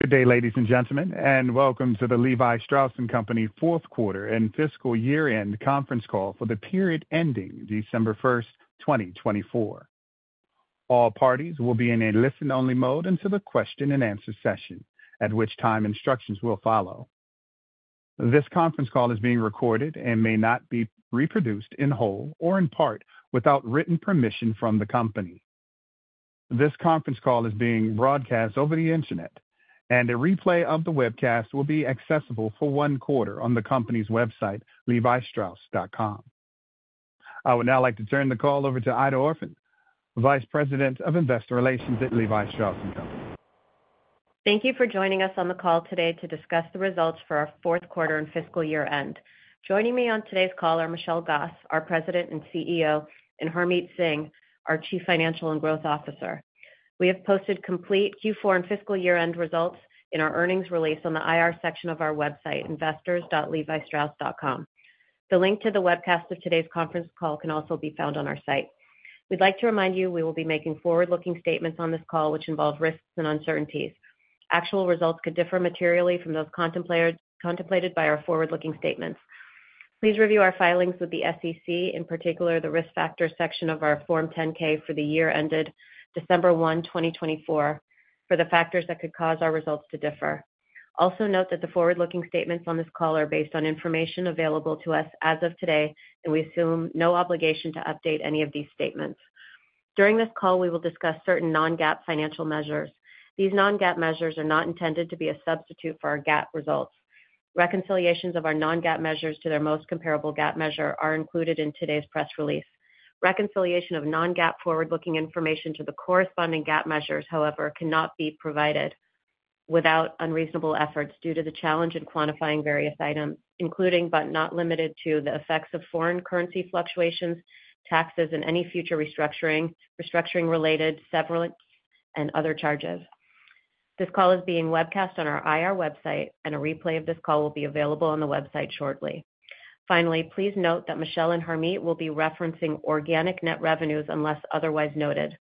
Good day, ladies and gentlemen, and welcome to the Levi Strauss & Company fourth quarter and fiscal year-end conference call for the period ending December 1, 2024. All parties will be in a listen-only mode until the question-and-answer session, at which time instructions will follow. This conference call is being recorded and may not be reproduced in whole or in part without written permission from the company. This conference call is being broadcast over the internet, and a replay of the webcast will be accessible for one quarter on the company's website, levistrauss.com. I would now like to turn the call over to Aida Orphan, Vice President of Investor Relations at Levi Strauss & Co. Thank you for joining us on the call today to discuss the results for our fourth quarter and fiscal year-end. Joining me on today's call are Michelle Gass, our President and CEO, and Harmit Singh, our Chief Financial and Growth Officer. We have posted complete Q4 and fiscal year-end results in our earnings release on the IR section of our website, investors.levistrauss.com. The link to the webcast of today's conference call can also be found on our site. We'd like to remind you we will be making forward-looking statements on this call, which involve risks and uncertainties. Actual results could differ materially from those contemplated by our forward-looking statements. Please review our filings with the SEC, in particular the risk factor section of our Form 10-K for the year ended December 1, 2024, for the factors that could cause our results to differ. Also note that the forward-looking statements on this call are based on information available to us as of today, and we assume no obligation to update any of these statements. During this call, we will discuss certain non-GAAP financial measures. These non-GAAP measures are not intended to be a substitute for our GAAP results. Reconciliations of our non-GAAP measures to their most comparable GAAP measure are included in today's press release. Reconciliation of non-GAAP forward-looking information to the corresponding GAAP measures, however, cannot be provided without unreasonable efforts due to the challenge in quantifying various items, including, but not limited to, the effects of foreign currency fluctuations, taxes, and any future restructuring-related severance and other charges. This call is being webcast on our IR website, and a replay of this call will be available on the website shortly. Finally, please note that Michelle and Harmit will be referencing organic net revenues unless otherwise noted.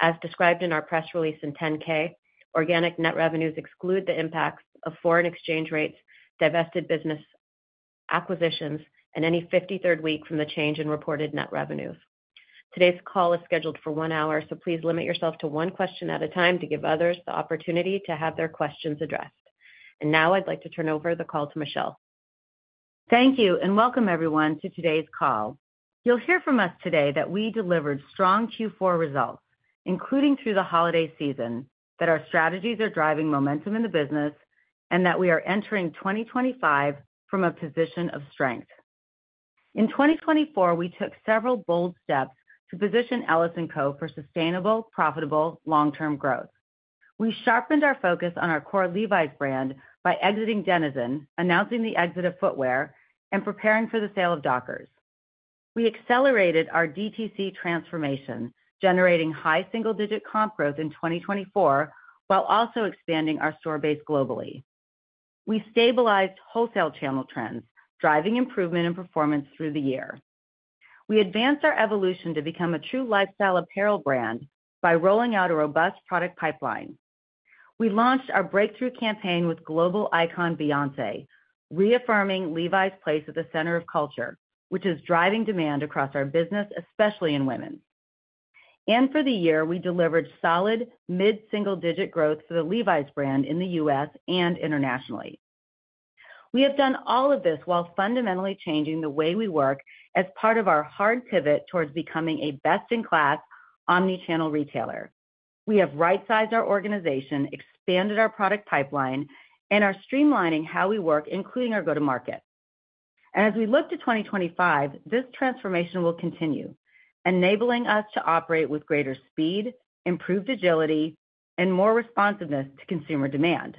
As described in our press release in 10-K, organic net revenues exclude the impacts of foreign exchange rates, divested business acquisitions, and any 53rd week from the change in reported net revenues. Today's call is scheduled for one hour, so please limit yourself to one question at a time to give others the opportunity to have their questions addressed, and now I'd like to turn over the call to Michelle. Thank you, and welcome everyone to today's call. You'll hear from us today that we delivered strong Q4 results, including through the holiday season, that our strategies are driving momentum in the business, and that we are entering 2025 from a position of strength. In 2024, we took several bold steps to position LS&Co. for sustainable, profitable, long-term growth. We sharpened our focus on our core Levi's brand by exiting Denizen, announcing the exit of footwear, and preparing for the sale of Dockers. We accelerated our DTC transformation, generating high single-digit comp growth in 2024 while also expanding our store base globally. We stabilized wholesale channel trends, driving improvement in performance through the year. We advanced our evolution to become a true lifestyle apparel brand by rolling out a robust product pipeline. We launched our breakthrough campaign with global icon Beyoncé, reaffirming Levi's place at the center of culture, which is driving demand across our business, especially in women. And for the year, we delivered solid mid-single-digit growth for the Levi's brand in the U.S. and internationally. We have done all of this while fundamentally changing the way we work as part of our hard pivot towards becoming a best-in-class omnichannel retailer. We have right-sized our organization, expanded our product pipeline, and are streamlining how we work, including our go-to-market. And as we look to 2025, this transformation will continue, enabling us to operate with greater speed, improved agility, and more responsiveness to consumer demand.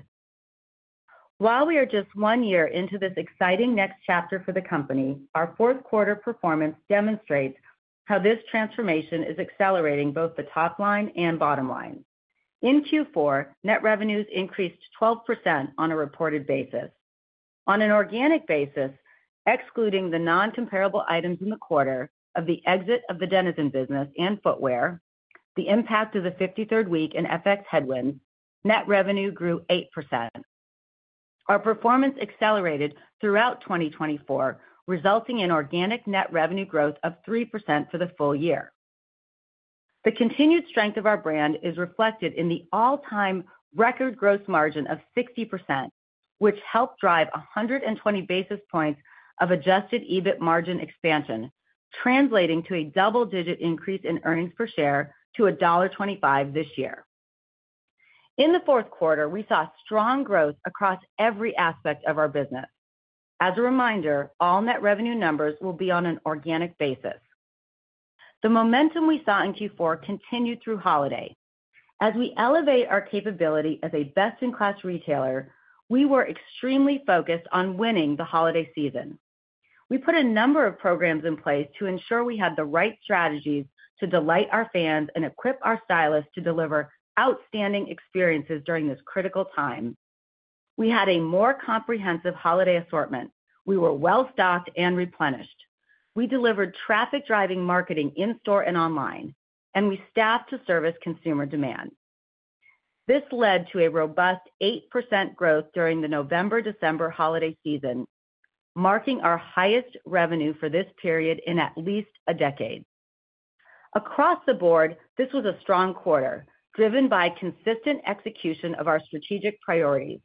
While we are just one year into this exciting next chapter for the company, our fourth quarter performance demonstrates how this transformation is accelerating both the top line and bottom line. In Q4, net revenues increased 12% on a reported basis. On an organic basis, excluding the non-comparable items in the quarter of the exit of the Denizen business and footwear, the impact of the 53rd week and FX headwinds, net revenue grew 8%. Our performance accelerated throughout 2024, resulting in organic net revenue growth of 3% for the full year. The continued strength of our brand is reflected in the all-time record gross margin of 60%, which helped drive 120 basis points of Adjusted EBIT margin expansion, translating to a double-digit increase in earnings per share to $1.25 this year. In the fourth quarter, we saw strong growth across every aspect of our business. As a reminder, all net revenue numbers will be on an organic basis. The momentum we saw in Q4 continued through holiday. As we elevate our capability as a best-in-class retailer, we were extremely focused on winning the holiday season. We put a number of programs in place to ensure we had the right strategies to delight our fans and equip our stylists to deliver outstanding experiences during this critical time. We had a more comprehensive holiday assortment. We were well-stocked and replenished. We delivered traffic-driving marketing in store and online, and we staffed to service consumer demand. This led to a robust 8% growth during the November-December holiday season, marking our highest revenue for this period in at least a decade. Across the board, this was a strong quarter, driven by consistent execution of our strategic priorities,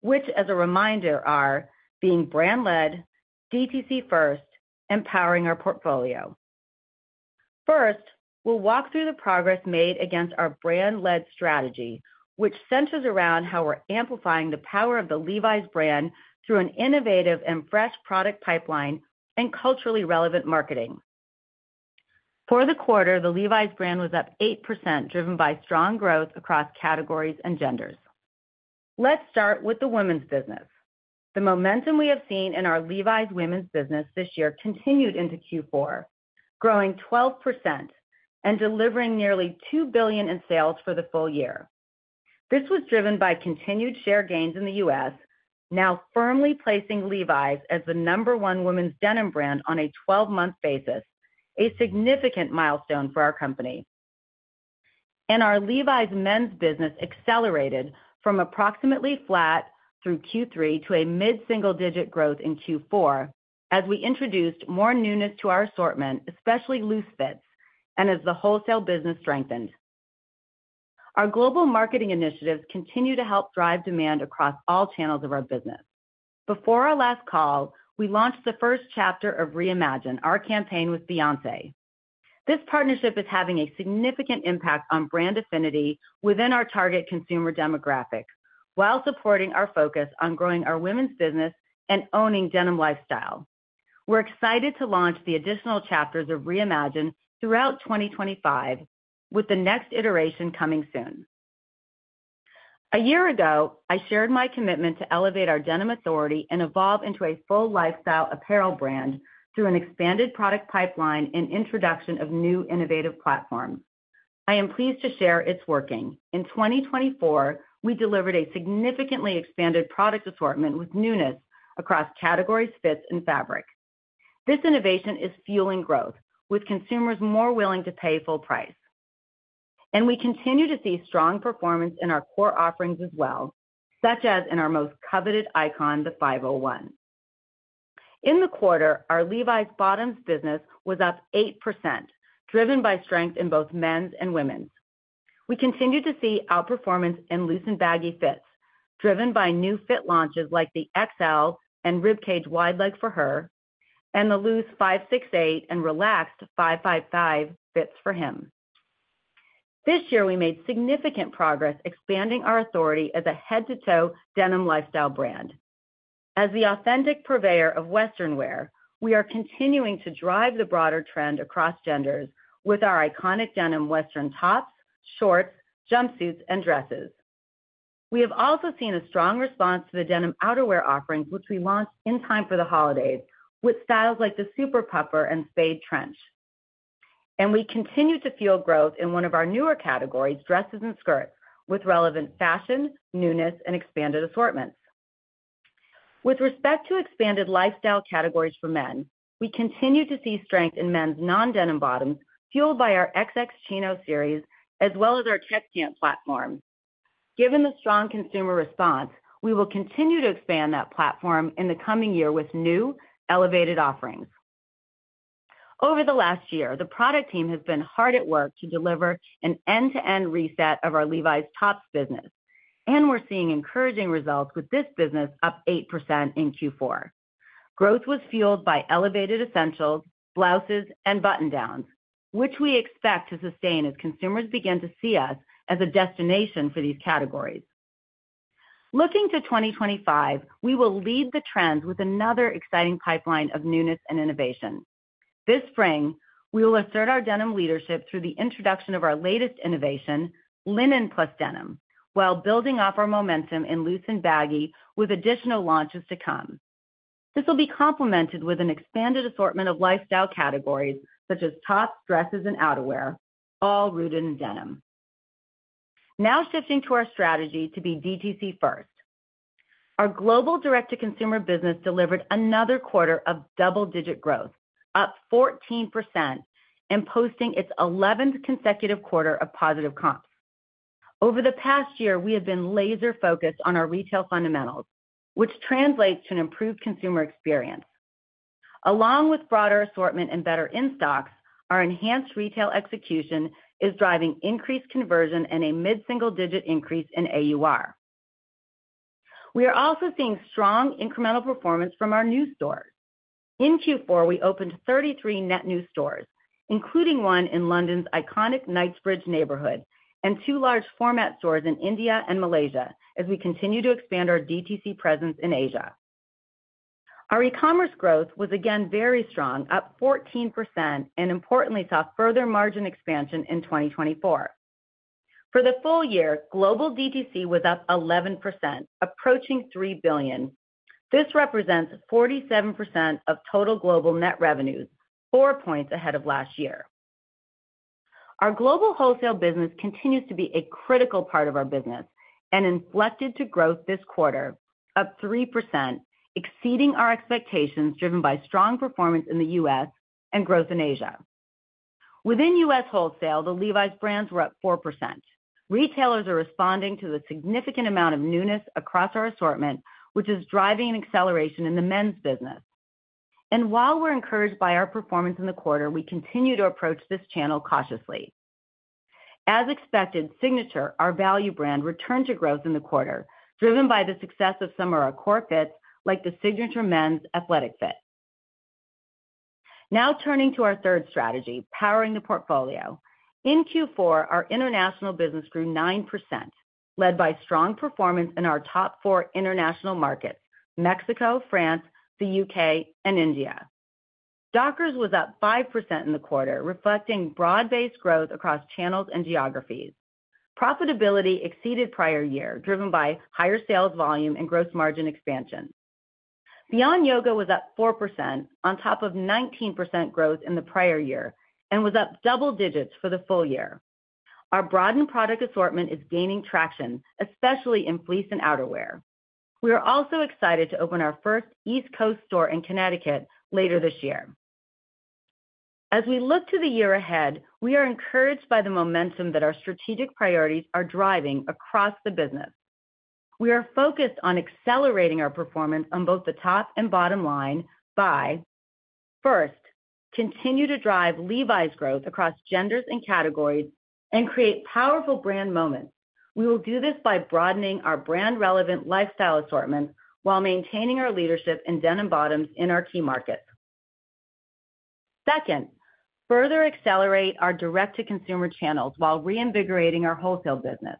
which, as a reminder, are being brand-led, DTC-first, empowering our portfolio. First, we'll walk through the progress made against our brand-led strategy, which centers around how we're amplifying the power of the Levi's brand through an innovative and fresh product pipeline and culturally relevant marketing. For the quarter, the Levi's brand was up 8%, driven by strong growth across categories and genders. Let's start with the women's business. The momentum we have seen in our Levi's women's business this year continued into Q4, growing 12% and delivering nearly $2 billion in sales for the full year. This was driven by continued share gains in the U.S., now firmly placing Levi's as the number one women's denim brand on a 12-month basis, a significant milestone for our company, and our Levi's men's business accelerated from approximately flat through Q3 to a mid-single-digit growth in Q4 as we introduced more newness to our assortment, especially loose fits, and as the wholesale business strengthened. Our global marketing initiatives continue to help drive demand across all channels of our business. Before our last call, we launched the first chapter of Reimagine, our campaign with Beyoncé. This partnership is having a significant impact on brand affinity within our target consumer demographic while supporting our focus on growing our women's business and owning denim lifestyle. We're excited to launch the additional chapters of Reimagine throughout 2025, with the next iteration coming soon. A year ago, I shared my commitment to elevate our denim authority and evolve into a full lifestyle apparel brand through an expanded product pipeline and introduction of new innovative platforms. I am pleased to share it's working. In 2024, we delivered a significantly expanded product assortment with newness across categories, fits, and fabric. This innovation is fueling growth, with consumers more willing to pay full price. We continue to see strong performance in our core offerings as well, such as in our most coveted icon, the 501. In the quarter, our Levi's bottoms business was up 8%, driven by strength in both men's and women's. We continue to see outperformance in loose and baggy fits, driven by new fit launches like the XL and Ribcage Wide Leg for her, and the loose 568 and relaxed 555 fits for him. This year, we made significant progress expanding our authority as a head-to-toe denim lifestyle brand. As the authentic purveyor of Western wear, we are continuing to drive the broader trend across genders with our iconic denim western tops, shorts, jumpsuits, and dresses. We have also seen a strong response to the denim outerwear offerings, which we launched in time for the holidays, with styles like the Super Puffer and Spade Trench. We continue to FUEL growth in one of our newer categories, dresses and skirts, with relevant fashion, newness, and expanded assortments. With respect to expanded lifestyle categories for men, we continue to see strength in men's non-denim bottoms, fueled by our XX Chino series, as well as our Tech Pant platform. Given the strong consumer response, we will continue to expand that platform in the coming year with new elevated offerings. Over the last year, the product team has been hard at work to deliver an end-to-end reset of our Levi's tops business, and we're seeing encouraging results with this business up 8% in Q4. Growth was fueled by elevated essentials, blouses, and button-downs, which we expect to sustain as consumers begin to see us as a destination for these categories. Looking to 2025, we will lead the trends with another exciting pipeline of newness and innovation. This spring, we will assert our denim leadership through the introduction of our latest innovation, Linen + Denim, while building up our momentum in loose and baggy with additional launches to come. This will be complemented with an expanded assortment of lifestyle categories such as tops, dresses, and outerwear, all rooted in denim. Now shifting to our strategy to be DTC-first, our global direct-to-consumer business delivered another quarter of double-digit growth, up 14%, and posting its 11th consecutive quarter of positive comps. Over the past year, we have been laser-focused on our retail fundamentals, which translates to an improved consumer experience. Along with broader assortment and better in-stocks, our enhanced retail execution is driving increased conversion and a mid-single-digit increase in AUR. We are also seeing strong incremental performance from our new stores. In Q4, we opened 33 net new stores, including one in London's iconic Knightsbridge neighborhood and two large format stores in India and Malaysia, as we continue to expand our DTC presence in Asia. Our e-commerce growth was again very strong, up 14%, and importantly, saw further margin expansion in 2024. For the full year, global DTC was up 11%, approaching $3 billion. This represents 47% of total global net revenues, four points ahead of last year. Our global wholesale business continues to be a critical part of our business and inflected to growth this quarter, up 3%, exceeding our expectations driven by strong performance in the U.S. and growth in Asia. Within U.S. wholesale, the Levi's brands were up 4%. Retailers are responding to the significant amount of newness across our assortment, which is driving an acceleration in the men's business. While we're encouraged by our performance in the quarter, we continue to approach this channel cautiously. As expected, Signature, our value brand, returned to growth in the quarter, driven by the success of some of our core fits like the Signature Men's Athletic Fit. Now turning to our third strategy, powering the portfolio. In Q4, our international business grew 9%, led by strong performance in our top four international markets: Mexico, France, the U.K., and India. Dockers was up 5% in the quarter, reflecting broad-based growth across channels and geographies. Profitability exceeded prior year, driven by higher sales volume and gross margin expansion. Beyond Yoga was up 4%, on top of 19% growth in the prior year, and was up double digits for the full year. Our broadened product assortment is gaining traction, especially in fleece and outerwear. We are also excited to open our first East Coast store in Connecticut later this year. As we look to the year ahead, we are encouraged by the momentum that our strategic priorities are driving across the business. We are focused on accelerating our performance on both the top and bottom line by, first, continuing to drive Levi's growth across genders and categories and create powerful brand moments. We will do this by broadening our brand-relevant lifestyle assortment while maintaining our leadership in denim bottoms in our key markets. Second, further accelerate our direct-to-consumer channels while reinvigorating our wholesale business.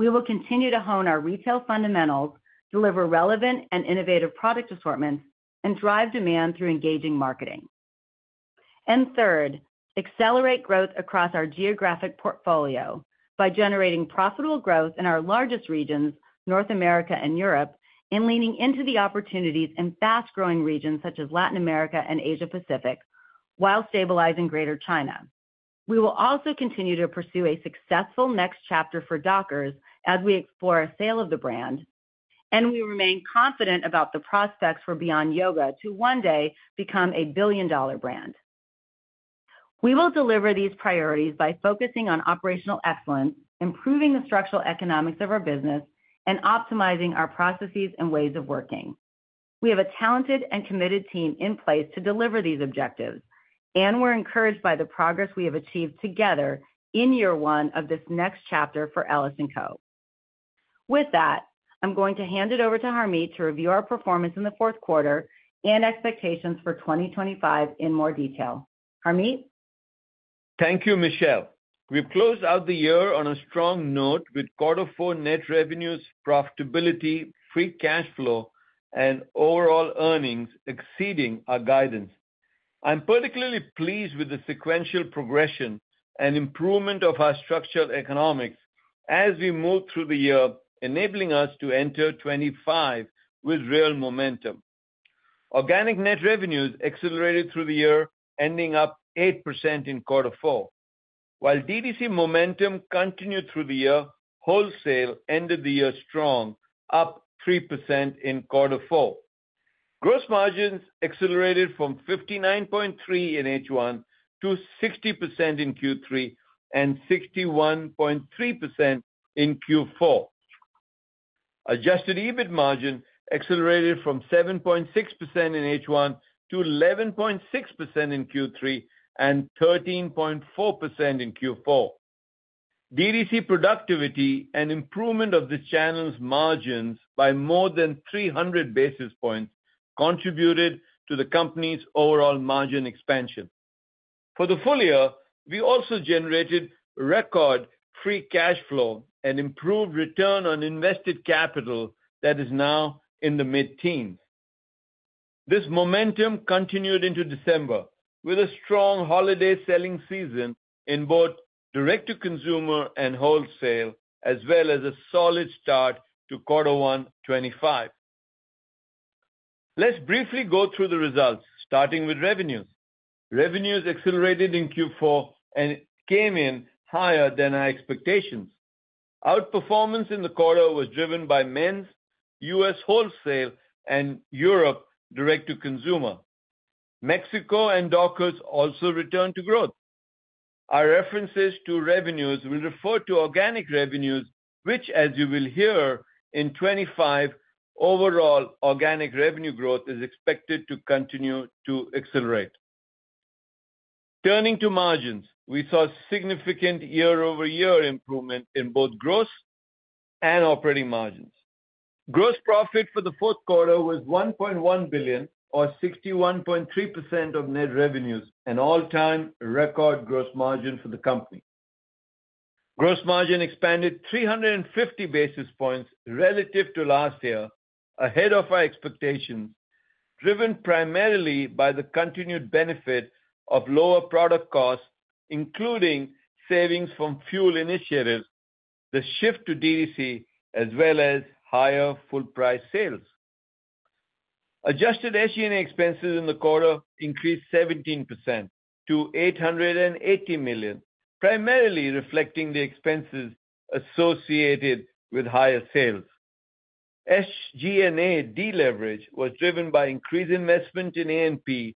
We will continue to hone our retail fundamentals, deliver relevant and innovative product assortments, and drive demand through engaging marketing. Third, accelerate growth across our geographic portfolio by generating profitable growth in our largest regions, North America and Europe, and leaning into the opportunities in fast-growing regions such as Latin America and Asia-Pacific while stabilizing Greater China. We will also continue to pursue a successful next chapter for Dockers as we explore a sale of the brand, and we remain confident about the prospects for Beyond Yoga to one day become a billion-dollar brand. We will deliver these priorities by focusing on operational excellence, improving the structural economics of our business, and optimizing our processes and ways of working. We have a talented and committed team in place to deliver these objectives, and we're encouraged by the progress we have achieved together in year one of this next chapter for Levi Strauss & Co. With that, I'm going to hand it over to Harmit to review our performance in the fourth quarter and expectations for 2025 in more detail. Harmit? Thank you, Michelle. We've closed out the year on a strong note with quarter four net revenues, profitability, free cash flow, and overall earnings exceeding our guidance. I'm particularly pleased with the sequential progression and improvement of our structural economics as we move through the year, enabling us to enter 2025 with real momentum. Organic net revenues accelerated through the year, ending up 8% in quarter four. While DTC momentum continued through the year, wholesale ended the year strong, up 3% in quarter four. Gross margins accelerated from 59.3% in Q1 to 60% in Q3 and 61.3% in Q4. Adjusted EBIT margin accelerated from 7.6% in Q1 to 11.6% in Q3 and 13.4% in Q4. DTC productivity and improvement of the channel's margins by more than 300 basis points contributed to the company's overall margin expansion. For the full year, we also generated record free cash flow and improved return on invested capital that is now in the mid-teens. This momentum continued into December with a strong holiday selling season in both direct-to-consumer and wholesale, as well as a solid start to quarter one 2025. Let's briefly go through the results, starting with revenues. Revenues accelerated in Q4 and came in higher than our expectations. Outperformance in the quarter was driven by men's U.S. wholesale and Europe direct-to-consumer. Mexico and Dockers also returned to growth. Our references to revenues will refer to organic revenues, which, as you will hear, in 2025, overall organic revenue growth is expected to continue to accelerate. Turning to margins, we saw significant year-over-year improvement in both gross and operating margins. Gross profit for the fourth quarter was $1.1 billion, or 61.3% of net revenues, an all-time record gross margin for the company. Gross margin expanded 350 basis points relative to last year, ahead of our expectations, driven primarily by the continued benefit of lower product costs, including savings from FUEL initiatives, the shift to DTC, as well as higher full-price sales. Adjusted SG&A expenses in the quarter increased 17% to $880 million, primarily reflecting the expenses associated with higher sales. SG&A deleverage was driven by increased investment in A&P,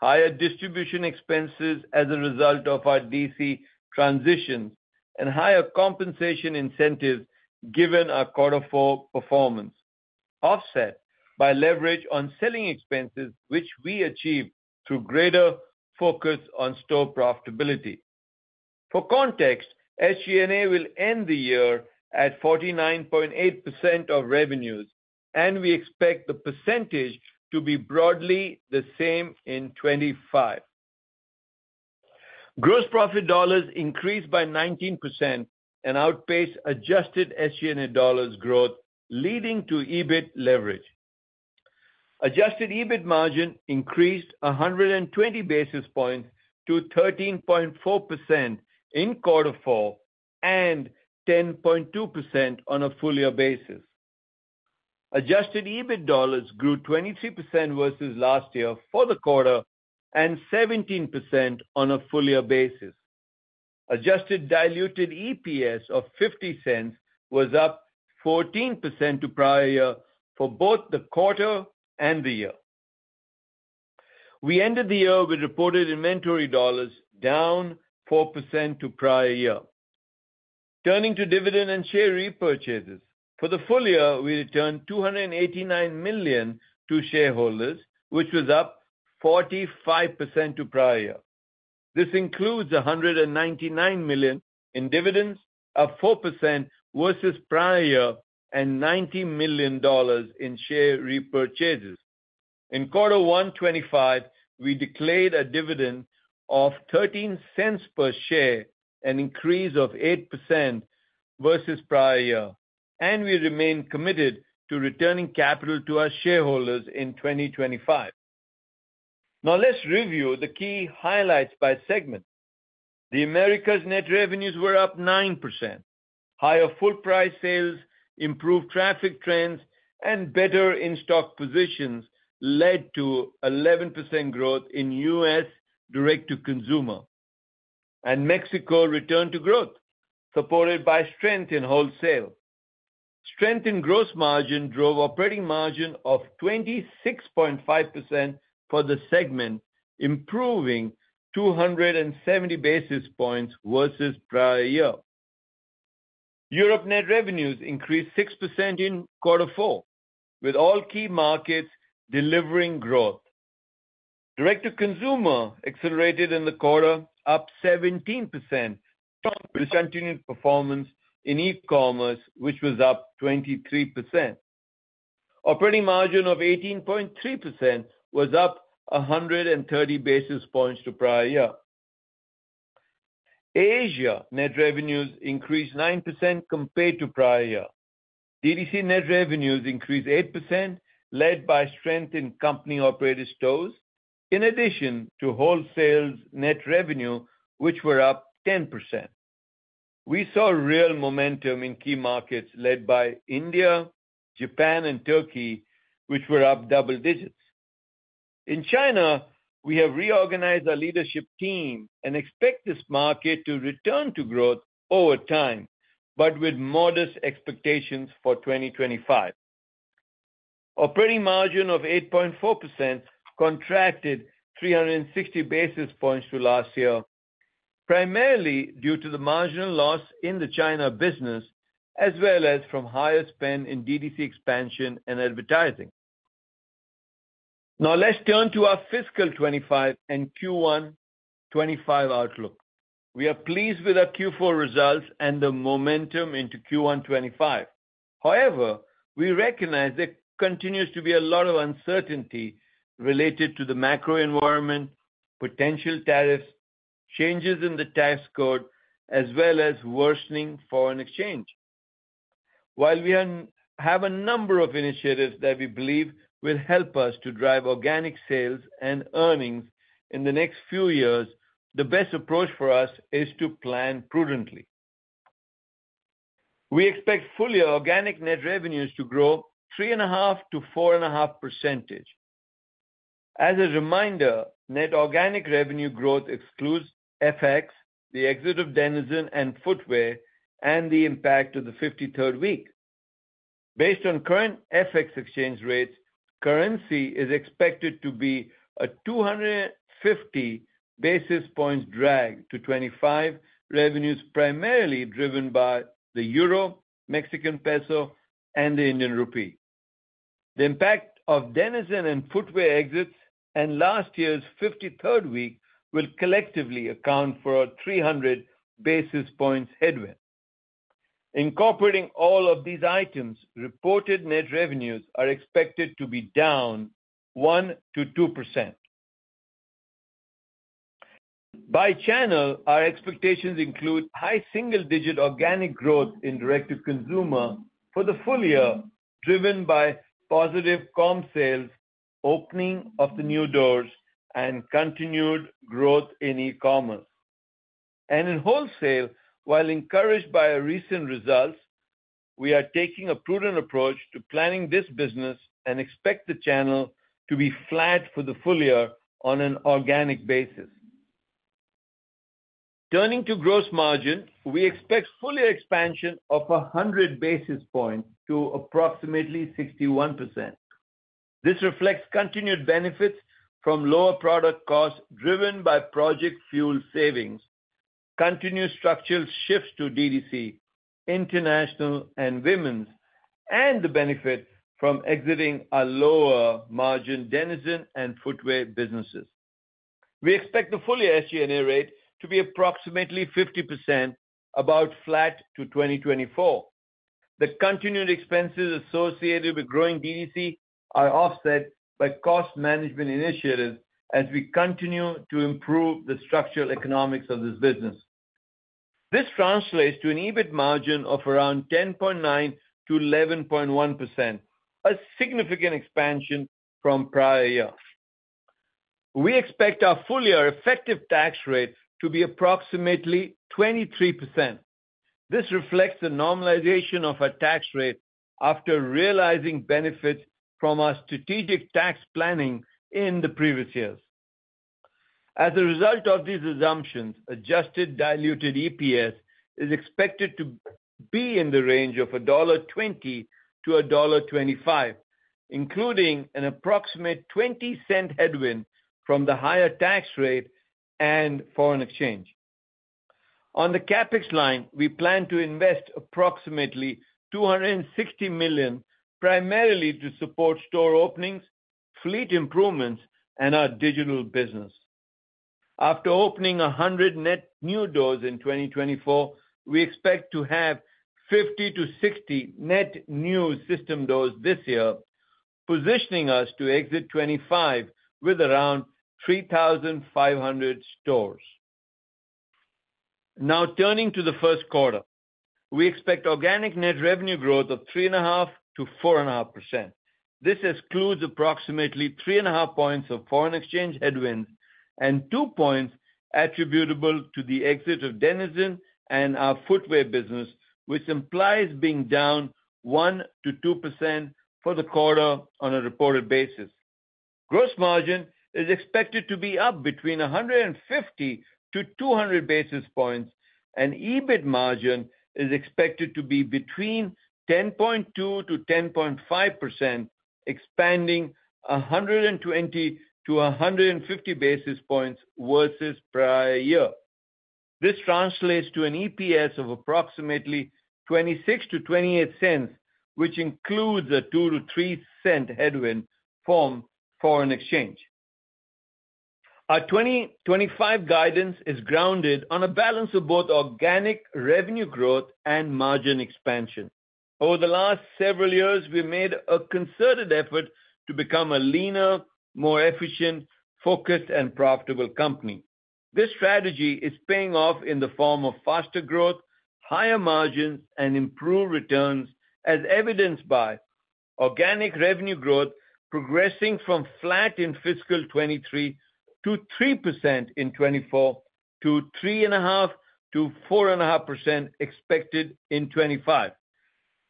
higher distribution expenses as a result of our DTC transitions, and higher compensation incentives given our quarter four performance, offset by leverage on selling expenses, which we achieved through greater focus on store profitability. For context, SG&A will end the year at 49.8% of revenues, and we expect the percentage to be broadly the same in 2025. Gross profit dollars increased by 19% and outpaced adjusted SG&A dollars growth, leading to EBIT leverage. Adjusted EBIT margin increased 120 basis points to 13.4% in quarter four and 10.2% on a full-year basis. Adjusted EBIT dollars grew 23% versus last year for the quarter and 17% on a full-year basis. Adjusted diluted EPS of $0.50 was up 14% to prior year for both the quarter and the year. We ended the year with reported inventory dollars down 4% to prior year. Turning to dividend and share repurchases, for the full year, we returned $289 million to shareholders, which was up 45% to prior year. This includes $199 million in dividends, up 4% versus prior year, and $90 million in share repurchases. In quarter one 2025, we declared a dividend of $0.13 per share, an increase of 8% versus prior year, and we remain committed to returning capital to our shareholders in 2025. Now let's review the key highlights by segment. The Americas net revenues were up 9%. Higher full-price sales, improved traffic trends, and better in-stock positions led to 11% growth in U.S. direct-to-consumer, and Mexico returned to growth, supported by strength in wholesale. Strength in gross margin drove operating margin of 26.5% for the segment, improving 270 basis points versus prior year. Europe net revenues increased 6% in quarter four, with all key markets delivering growth. Direct-to-consumer accelerated in the quarter, up 17%, with continued performance in e-commerce, which was up 23%. Operating margin of 18.3% was up 130 basis points to prior year. Asia net revenues increased 9% compared to prior year. DTC net revenues increased 8%, led by strength in company-operated stores, in addition to wholesale's net revenue, which were up 10%. We saw real momentum in key markets led by India, Japan, and Turkey, which were up double digits. In China, we have reorganized our leadership team and expect this market to return to growth over time, but with modest expectations for 2025. Operating margin of 8.4% contracted 360 basis points to last year, primarily due to the marginal loss in the China business, as well as from higher spend in DTC expansion and advertising. Now let's turn to our fiscal 2025 and Q1 2025 outlook. We are pleased with our Q4 results and the momentum into Q1 2025. However, we recognize there continues to be a lot of uncertainty related to the macro environment, potential tariffs, changes in the tax code, as well as worsening foreign exchange. While we have a number of initiatives that we believe will help us to drive organic sales and earnings in the next few years, the best approach for us is to plan prudently. We expect full-year organic net revenues to grow 3.5% to 4.5%. As a reminder, net organic revenue growth excludes FX, the exit of Denizen and Footwear, and the impact of the 53rd week. Based on current FX exchange rates, currency is expected to be a 250 basis points drag to 2025, revenues primarily driven by the euro, Mexican peso, and the Indian rupee. The impact of Denizen and Footwear exits and last year's 53rd week will collectively account for a 300 basis points headwind. Incorporating all of these items, reported net revenues are expected to be down 1%-2%. By channel, our expectations include high single-digit organic growth in direct-to-consumer for the full year, driven by positive comps sales, opening of the new doors, and continued growth in e-commerce. And in wholesale, while encouraged by recent results, we are taking a prudent approach to planning this business and expect the channel to be flat for the full year on an organic basis. Turning to gross margin, we expect full-year expansion of 100 basis points to approximately 61%. This reflects continued benefits from lower product costs driven by Project FUEL savings, continued structural shifts to DTC, international and women's, and the benefit from exiting a lower margin Denizen and footwear businesses. We expect the full-year SG&A rate to be approximately 50%, about flat to 2024. The continued expenses associated with growing DTC are offset by cost management initiatives as we continue to improve the structural economics of this business. This translates to an EBIT margin of around 10.9%-11.1%, a significant expansion from prior year. We expect our full-year effective tax rate to be approximately 23%. This reflects the normalization of our tax rate after realizing benefits from our strategic tax planning in the previous years. As a result of these assumptions, adjusted diluted EPS is expected to be in the range of $1.20-$1.25, including an approximate $0.20 headwind from the higher tax rate and foreign exchange. On the CapEx line, we plan to invest approximately $260 million, primarily to support store openings, fleet improvements, and our digital business. After opening 100 net new doors in 2024, we expect to have 50 to 60 net new system doors this year, positioning us to exit 2025 with around 3,500 stores. Now turning to the first quarter, we expect organic net revenue growth of 3.5% to 4.5%. This excludes approximately 3.5 points of foreign exchange headwinds and 2 points attributable to the exit of Denizen and our Footwear business, which implies being down 1%-2% for the quarter on a reported basis. Gross margin is expected to be up between 150-200 basis points, and EBIT margin is expected to be between 10.2% and 10.5%, expanding 120-150 basis points versus prior year. This translates to an EPS of approximately $0.26-$0.28, which includes a $0.02-$0.03 headwind from foreign exchange. Our 2025 guidance is grounded on a balance of both organic revenue growth and margin expansion. Over the last several years, we made a concerted effort to become a leaner, more efficient, focused, and profitable company. This strategy is paying off in the form of faster growth, higher margins, and improved returns, as evidenced by organic revenue growth progressing from flat in fiscal 2023 to 3% in 2024 to 3.5%-4.5% expected in 2025.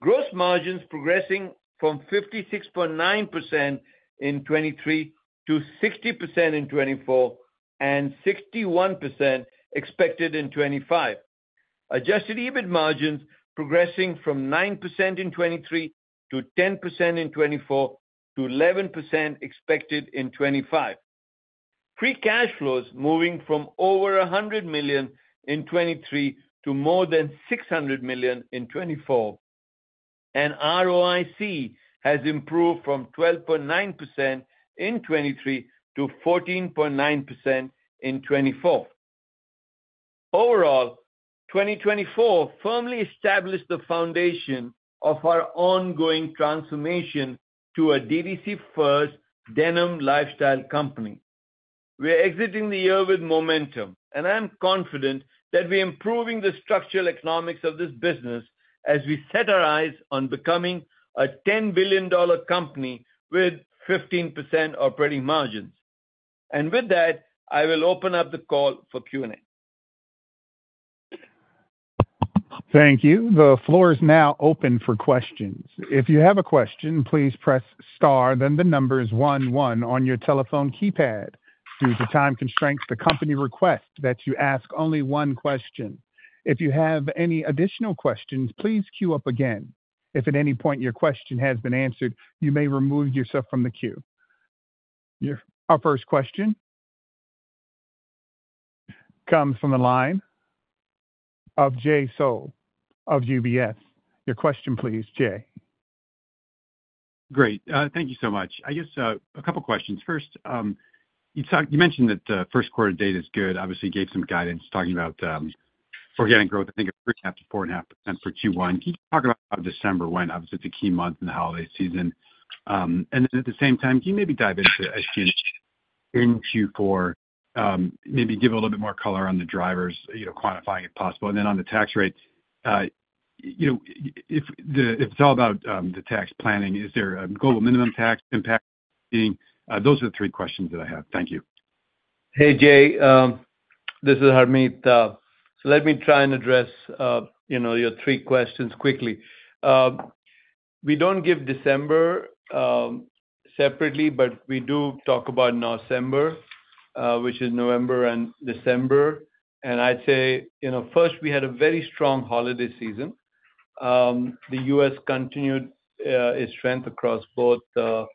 Gross margins progressing from 56.9% in 2023 to 60% in 2024 and 61% expected in 2025. Adjusted EBIT margins progressing from 9% in 2023 to 10% in 2024 to 11% expected in 2025. Free cash flows moving from over 100 million in 2023 to more than 600 million in 2024, and ROIC has improved from 12.9% in 2023 to 14.9% in 2024. Overall, 2024 firmly established the foundation of our ongoing transformation to a DTC-first denim lifestyle company. We are exiting the year with momentum, and I'm confident that we are improving the structural economics of this business as we set our eyes on becoming a $10 billion company with 15% operating margins. And with that, I will open up the call for Q&A. Thank you. The floor is now open for questions. If you have a question, please press star, then the numbers one, one on your telephone keypad. Due to time constraints, the company requests that you ask only one question. If you have any additional questions, please queue up again. If at any point your question has been answered, you may remove yourself from the queue. Our first question comes from the line of Jay Sole of UBS. Your question, please, Jay. Great. Thank you so much. I guess a couple of questions. First, you mentioned that the first quarter data is good. Obviously, you gave some guidance talking about organic growth, I think, of 3.5% to 4.5% for Q1. Can you talk about how December went? Obviously, it's a key month in the holiday season. And then at the same time, can you maybe dive into SG&A in Q4, maybe give a little bit more color on the drivers, quantifying if possible, and then on the tax rate? If it's all about the tax planning, is there a global minimum tax impact? Those are the three questions that I have. Thank you. Hey, Jay. This is Harmit. So let me try and address your three questions quickly. We don't give December separately, but we do talk about Newsember, which is November and December. And I'd say first, we had a very strong holiday season. The U.S. continued its strength across both DTC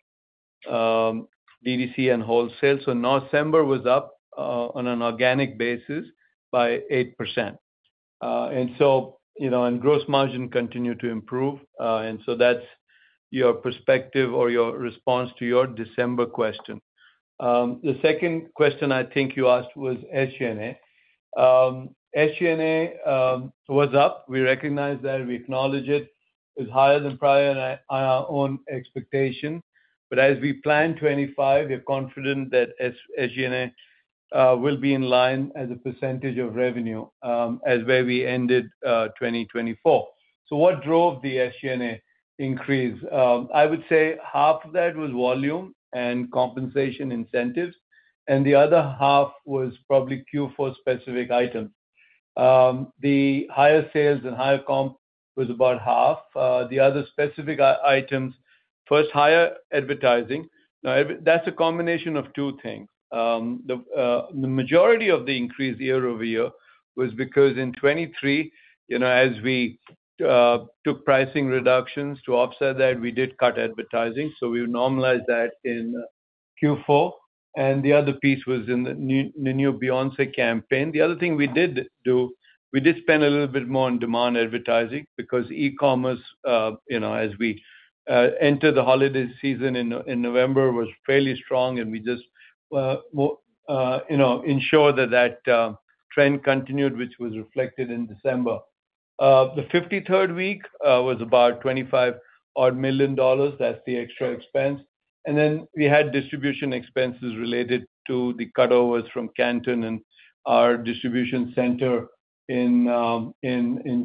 and wholesale. So November was up on an organic basis by 8%. And so gross margin continued to improve. And so that's your perspective or your response to your December question. The second question I think you asked was SG&A. SG&A was up. We recognize that. We acknowledge it. It's higher than prior and our own expectation. But as we plan 2025, we are confident that SG&A will be in line as a percentage of revenue as where we ended 2024. So what drove the SG&A increase? I would say half of that was volume and compensation incentives. And the other half was probably Q4 specific items. The higher sales and higher comp was about half. The other specific items, first, higher advertising. Now, that's a combination of two things. The majority of the increase year-over-year was because in 2023, as we took pricing reductions to offset that, we did cut advertising, so we normalized that in Q4, and the other piece was in the new Beyoncé campaign. The other thing we did do, we did spend a little bit more on demand advertising because e-commerce, as we enter the holiday season in November, was fairly strong, and we just ensured that that trend continued, which was reflected in December. The 53rd week was about $25-odd million. That's the extra expense, and then we had distribution expenses related to the cutovers from Canton and our distribution center in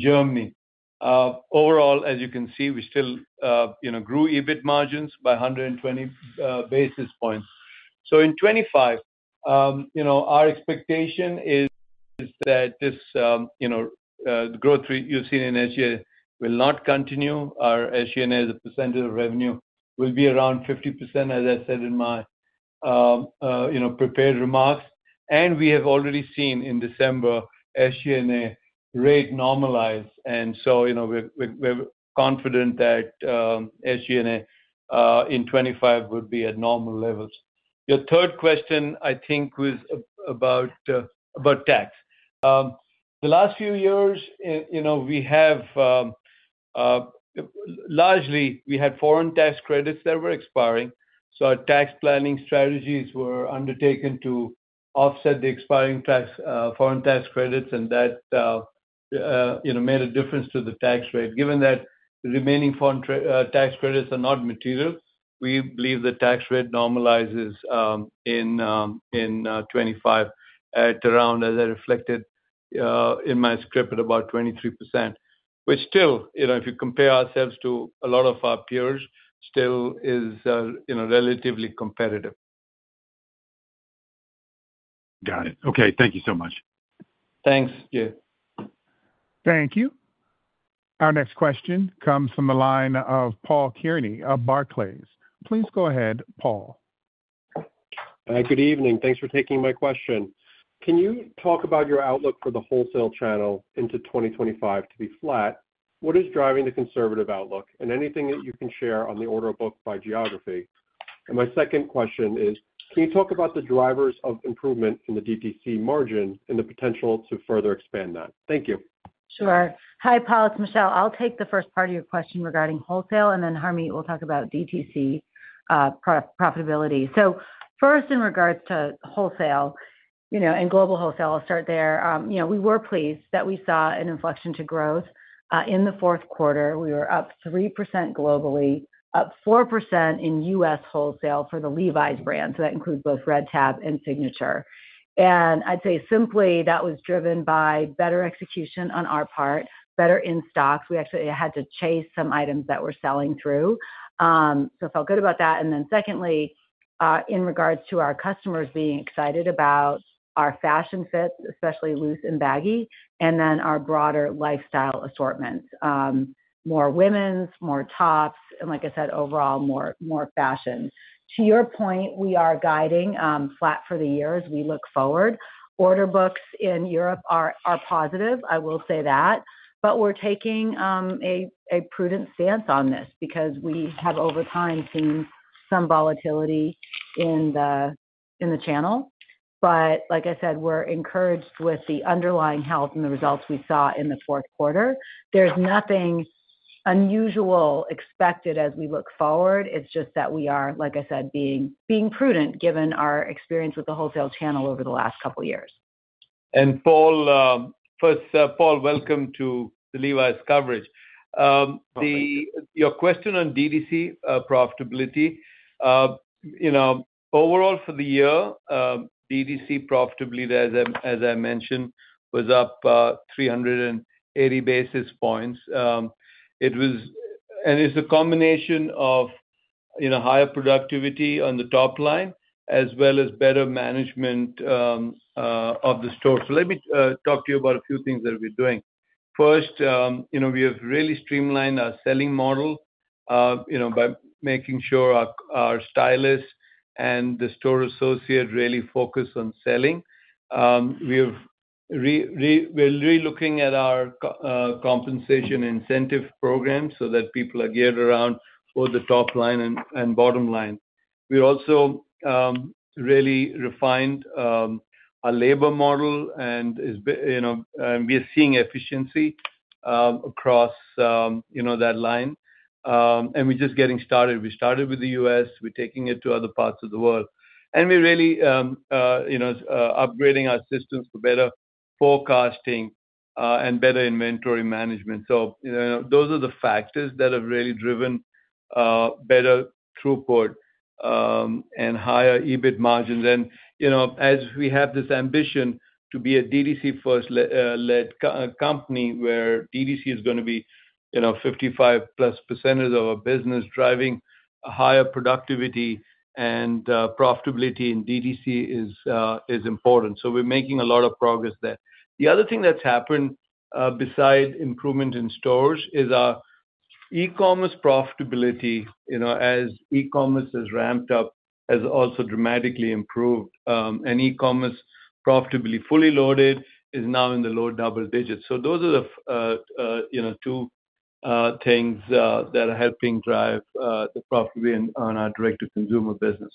Germany. Overall, as you can see, we still grew EBIT margins by 120 basis points, so in 2025, our expectation is that this growth you've seen in SG&A will not continue. Our SG&A as a percentage of revenue will be around 50%, as I said in my prepared remarks, and we have already seen in December SG&A rate normalize, and so we're confident that SG&A in 2025 would be at normal levels. Your third question, I think, was about tax. The last few years, largely, we had foreign tax credits that were expiring, so our tax planning strategies were undertaken to offset the expiring foreign tax credits, and that made a difference to the tax rate. Given that the remaining foreign tax credits are not material, we believe the tax rate normalizes in 2025 at around, as I reflected in my script, at about 23%, which still, if you compare ourselves to a lot of our peers, still is relatively competitive. Got it. Okay. Thank you so much. Thanks, Jay. Thank you. Our next question comes from the line of Paul Kearney of Barclays. Please go ahead, Paul. Good evening. Thanks for taking my question. Can you talk about your outlook for the wholesale channel into 2025 to be flat? What is driving the conservative outlook? And anything that you can share on the order book by geography? And my second question is, can you talk about the drivers of improvement in the DTC margin and the potential to further expand that? Thank you. Sure. Hi, Paul. It's Michelle. I'll take the first part of your question regarding wholesale, and then Harmit will talk about DTC profitability. So first, in regards to wholesale and global wholesale, I'll start there. We were pleased that we saw an inflection to growth in the fourth quarter. We were up 3% globally, up 4% in U.S. wholesale for the Levi's brand. So that includes both Red Tab and Signature. And I'd say simply that was driven by better execution on our part, better in-stocks. We actually had to chase some items that we're selling through. So I felt good about that. And then secondly, in regards to our customers being excited about our fashion fits, especially loose and baggy, and then our broader lifestyle assortments, more women's, more tops, and like I said, overall, more fashion. To your point, we are guiding flat for the year as we look forward. Order books in Europe are positive. I will say that. But we're taking a prudent stance on this because we have, over time, seen some volatility in the channel. But like I said, we're encouraged with the underlying health and the results we saw in the fourth quarter. There's nothing unusual expected as we look forward. It's just that we are, like I said, being prudent given our experience with the wholesale channel over the last couple of years. And Paul, first, Paul, welcome to the Levi's coverage. Your question on DTC profitability, overall for the year, DTC profitability, as I mentioned, was up 380 basis points. And it's a combination of higher productivity on the top line as well as better management of the store. So let me talk to you about a few things that we're doing. First, we have really streamlined our selling model by making sure our stylist and the store associate really focus on selling. We're really looking at our compensation incentive program so that people are geared around both the top line and bottom line. We also really refined our labor model, and we are seeing efficiency across that line. And we're just getting started. We started with the U.S. We're taking it to other parts of the world. And we're really upgrading our systems for better forecasting and better inventory management. So those are the factors that have really driven better throughput and higher EBIT margins. And as we have this ambition to be a DTC-first-led company where DTC is going to be 55+% of our business, driving higher productivity and profitability in DTC is important. So we're making a lot of progress there. The other thing that's happened beside improvement in stores is our e-commerce profitability. As e-commerce has ramped up, it has also dramatically improved. And e-commerce profitability, fully loaded, is now in the low double digits. So those are the two things that are helping drive the profitability on our direct-to-consumer business.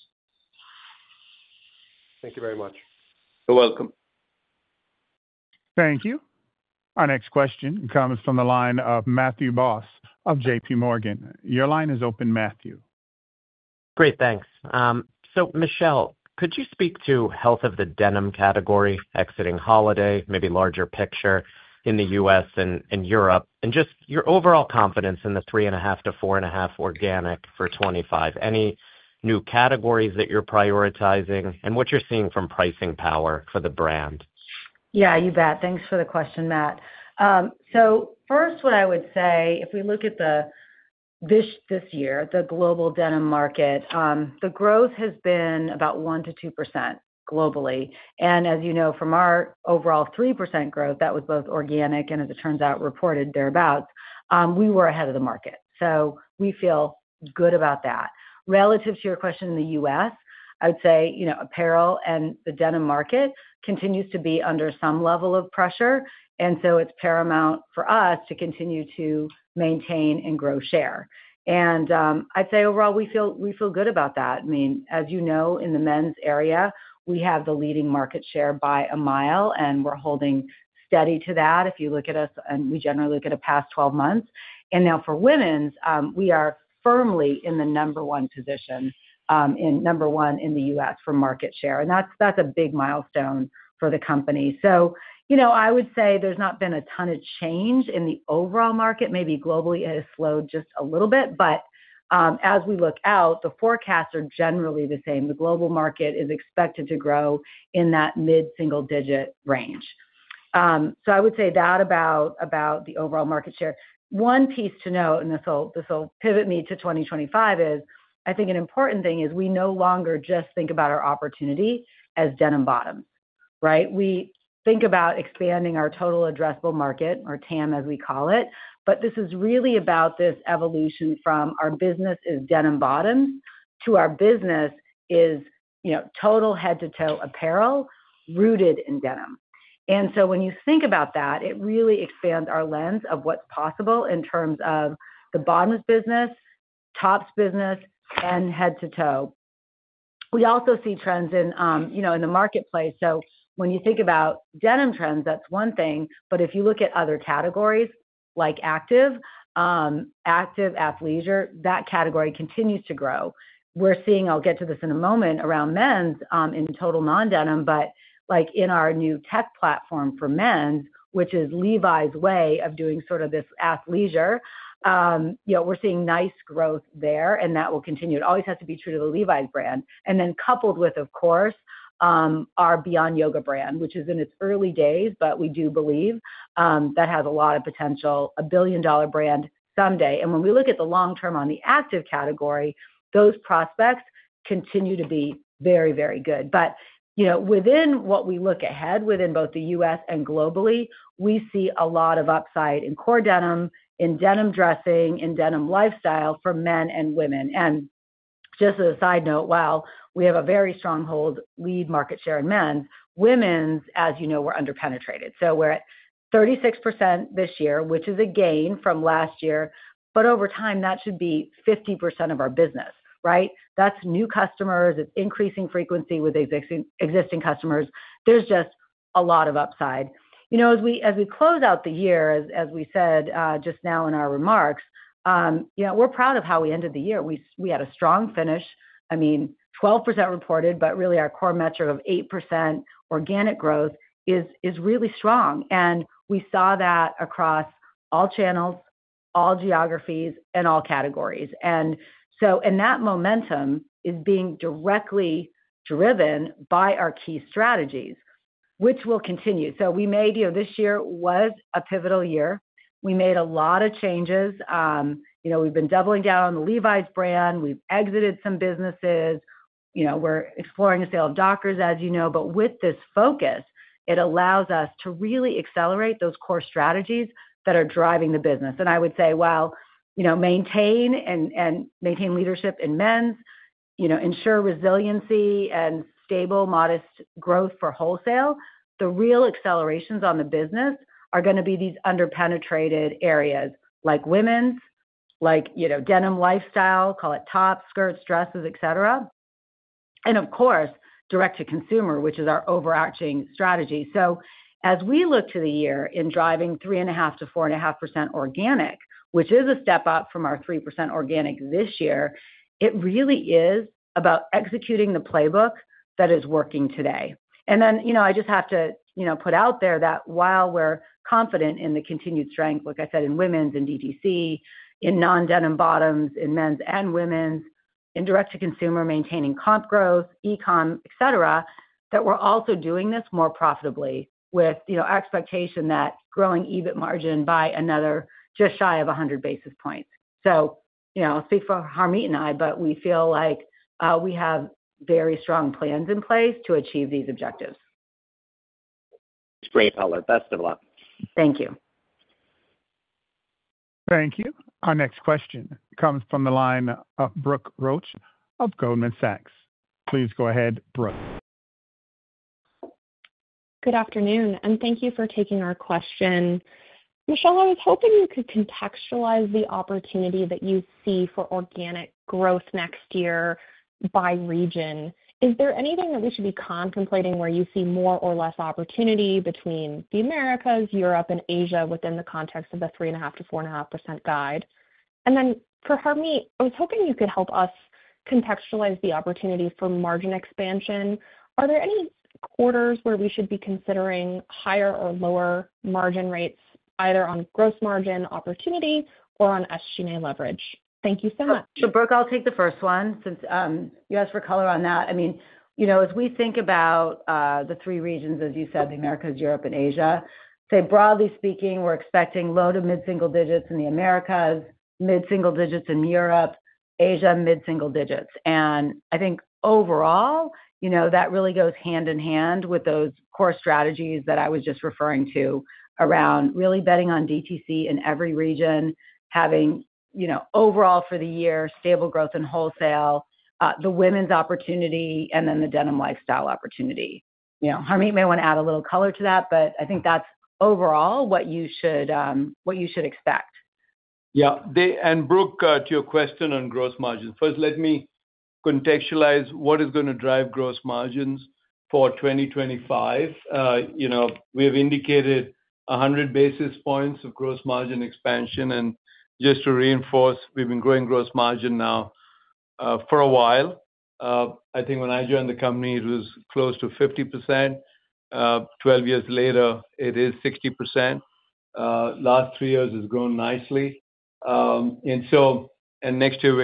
Thank you very much. You're welcome. Thank you. Our next question comes from the line of Matthew Boss of JPMorgan. Your line is open, Matthew. Great. Thanks. So Michelle, could you speak to health of the denim category, exiting holiday, maybe larger picture in the U.S. and Europe, and just your overall confidence in the 3.5%-4.5% organic for 2025? Any new categories that you're prioritizing and what you're seeing from pricing power for the brand? Yeah, you bet. Thanks for the question, Matt. So first, what I would say, if we look at this year, the global denim market, the growth has been about 1%-2% globally. And as you know, from our overall 3% growth, that was both organic and, as it turns out, reported thereabouts, we were ahead of the market. So we feel good about that. Relative to your question in the U.S., I would say apparel and the denim market continues to be under some level of pressure. And so it's paramount for us to continue to maintain and grow share. And I'd say overall, we feel good about that. I mean, as you know, in the men's area, we have the leading market share by a mile, and we're holding steady to that if you look at us, and we generally look at a past 12 months. And now for women's, we are firmly in the number one position, number one in the U.S. for market share. And that's a big milestone for the company. So I would say there's not been a ton of change in the overall market. Maybe globally, it has slowed just a little bit. But as we look out, the forecasts are generally the same. The global market is expected to grow in that mid-single digit range. So I would say that about the overall market share. One piece to note, and this will pivot me to 2025, is I think an important thing is we no longer just think about our opportunity as denim bottoms, right? We think about expanding our total addressable market, or TAM, as we call it. But this is really about this evolution from our business is denim bottoms to our business is total head-to-toe apparel rooted in denim. And so when you think about that, it really expands our lens of what's possible in terms of the bottoms business, tops business, and head-to-toe. We also see trends in the marketplace. So when you think about denim trends, that's one thing. But if you look at other categories like active, athleisure, that category continues to grow. We're seeing, I'll get to this in a moment, around men's in total non-denim, but in our new tech platform for men's, which is Levi's way of doing sort of this athleisure, we're seeing nice growth there, and that will continue. It always has to be true to the Levi's brand. And then coupled with, of course, our Beyond Yoga brand, which is in its early days, but we do believe that has a lot of potential, a billion-dollar brand someday. And when we look at the long term on the active category, those prospects continue to be very, very good. But within what we look ahead, within both the U.S. and globally, we see a lot of upside in core denim, in denim dressing, in denim lifestyle for men and women. Just as a side note, while we have a very strong hold on lead market share in men's and women's, as you know, we're underpenetrated. We're at 36% this year, which is a gain from last year. Over time, that should be 50% of our business, right? That's new customers. It's increasing frequency with existing customers. There's just a lot of upside. As we close out the year, as we said just now in our remarks, we're proud of how we ended the year. We had a strong finish. I mean, 12% reported, but really our core metric of 8% organic growth is really strong. We saw that across all channels, all geographies, and all categories. That momentum is being directly driven by our key strategies, which will continue. This year was a pivotal year. We made a lot of changes. We've been doubling down on the Levi's brand. We've exited some businesses. We're exploring a sale of Dockers, as you know. But with this focus, it allows us to really accelerate those core strategies that are driving the business. And I would say, well, maintain leadership in men's, ensure resiliency and stable, modest growth for wholesale. The real accelerations on the business are going to be these underpenetrated areas like women's, like denim lifestyle, call it tops, skirts, dresses, etc., and of course, direct-to-consumer, which is our overarching strategy. So as we look to the year in driving 3.5%-4.5% organic, which is a step up from our 3% organic this year, it really is about executing the playbook that is working today. And then I just have to put out there that while we're confident in the continued strength, like I said, in women's, in DTC, in non-denim bottoms, in men's and women's, in direct-to-consumer, maintaining comp growth, e-comm, etc., that we're also doing this more profitably with expectation that growing EBIT margin by another just shy of 100 basis points. So I'll speak for Harmit and I, but we feel like we have very strong plans in place to achieve these objectives. That's great, Paul. Best of luck. Thank you. Thank you. Our next question comes from the line of Brooke Roach of Goldman Sachs. Please go ahead, Brooke. Good afternoon, and thank you for taking our question. Michelle, I was hoping you could contextualize the opportunity that you see for organic growth next year by region. Is there anything that we should be contemplating where you see more or less opportunity between the Americas, Europe, and Asia within the context of the 3.5%-4.5% guide? And then for Harmit, I was hoping you could help us contextualize the opportunity for margin expansion. Are there any quarters where we should be considering higher or lower margin rates, either on gross margin opportunity or on SG&A leverage? Thank you so much. So, Brooke, I'll take the first one since you asked for color on that. I mean, as we think about the three regions, as you said, the Americas, Europe, and Asia, say, broadly speaking, we're expecting low to mid-single digits in the Americas, mid-single digits in Europe, Asia, mid-single digits. I think overall, that really goes hand in hand with those core strategies that I was just referring to around really betting on DTC in every region, having overall for the year stable growth in wholesale, the women's opportunity, and then the denim lifestyle opportunity. Harmit may want to add a little color to that, but I think that's overall what you should expect. Yeah. Brooke, to your question on gross margins, first, let me contextualize what is going to drive gross margins for 2025. We have indicated 100 basis points of gross margin expansion. Just to reinforce, we've been growing gross margin now for a while. I think when I joined the company, it was close to 50%. Twelve years later, it is 60%. Last three years has grown nicely. Next year,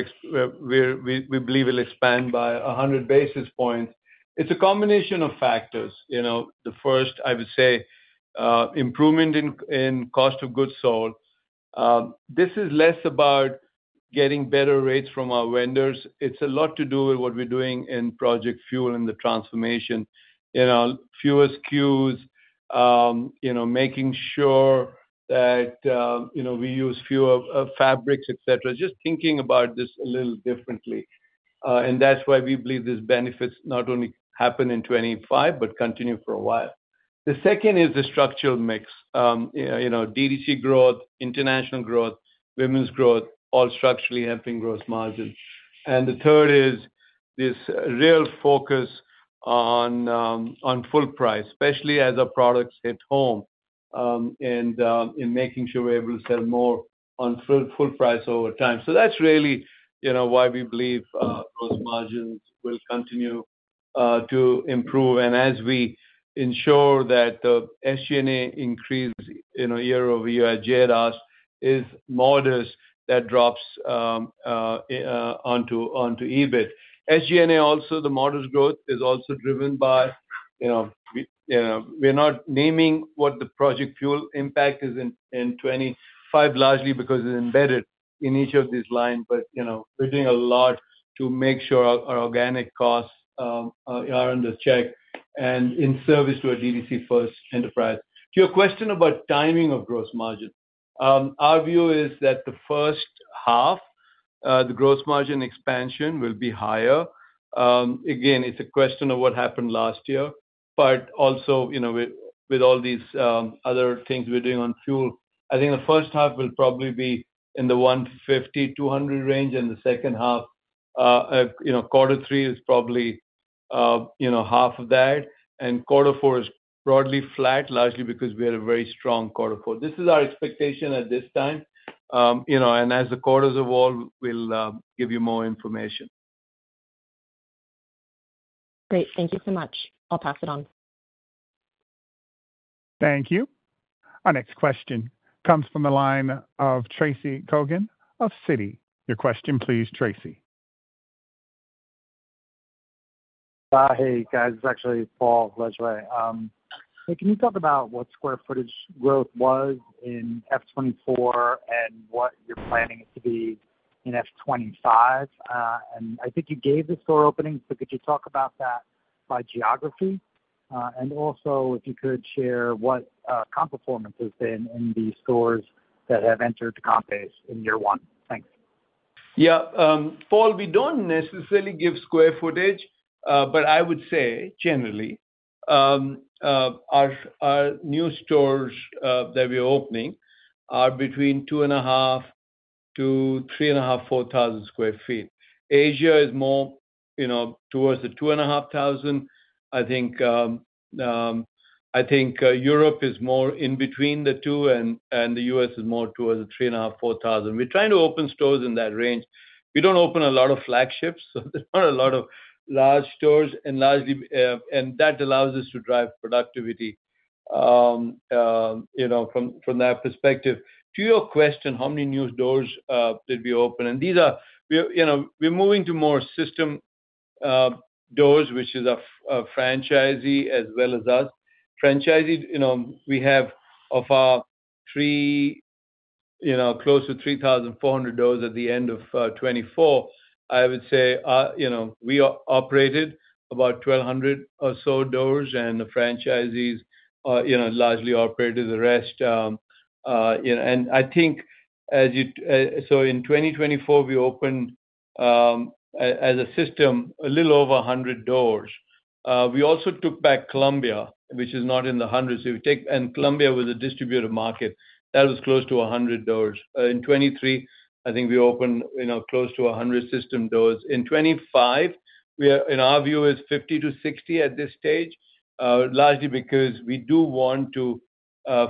we believe we'll expand by 100 basis points. It's a combination of factors. The first, I would say, improvement in cost of goods sold. This is less about getting better rates from our vendors. It's a lot to do with what we're doing in Project FUEL and the transformation, fewer SKUs, making sure that we use fewer fabrics, etc., just thinking about this a little differently, and that's why we believe these benefits not only happen in 2025, but continue for a while. The second is the structural mix. DTC growth, international growth, women's growth, all structurally helping gross margin, and the third is this real focus on full price, especially as our products hit home, and in making sure we're able to sell more on full price over time, so that's really why we believe gross margins will continue to improve, and as we ensure that the SG&A increase year-over-year at low single digits is modest, that drops onto EBIT. SG&A also, the modest growth, is also driven by we're not naming what the Project FUEL impact is in 2025, largely because it's embedded in each of these lines. But we're doing a lot to make sure our organic costs are under check and in service to a DTC-first enterprise. To your question about timing of gross margin, our view is that the first half, the gross margin expansion will be higher. Again, it's a question of what happened last year. But also, with all these other things we're doing on FUEL, I think the first half will probably be in the 150-200 range, and the second half, quarter three is probably half of that. And quarter four is broadly flat, largely because we had a very strong quarter four. This is our expectation at this time. And as the quarters evolve, we'll give you more information. Great. Thank you so much. I'll pass it on. Thank you. Our next question comes from the line of Tracy Kogan of Citigroup. Your question, please, Tracy. Hi, guys. It's actually Paul Lejuez. Can you talk about what square footage growth was in F24 and what you're planning it to be in F25? And I think you gave the store opening, but could you talk about that by geography? And also, if you could share what comp performance has been in the stores that have entered the comp base in year one. Thanks. Yeah. Paul, we don't necessarily give square footage, but I would say, generally, our new stores that we're opening are between 2,500 sq ft to 3,500 sq ft, 4,000 sq ft. Asia is more towards the 2,500 sq ft. I think Europe is more in between the two, and the U.S. is more towards the 3,500-4,000. We're trying to open stores in that range. We don't open a lot of flagships, so there's not a lot of large stores. And that allows us to drive productivity from that perspective. To your question, how many new doors did we open? And we're moving to more system doors, which is a franchisee as well as us. Franchisee, we have of our close to 3,400 doors at the end of 2024, I would say we operated about 1,200 or so doors, and the franchisees largely operated the rest. And I think, so in 2024, we opened as a system a little over 100 doors. We also took back Colombia, which is not in the hundreds. And Colombia was a distributor market. That was close to 100 doors. In 2023, I think we opened close to 100 system doors. In 2025, in our view, it's 50 to 60 at this stage, largely because we do want to